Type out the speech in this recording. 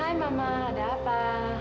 hai mama ada apa